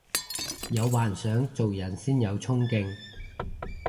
有幻想做人先有沖勁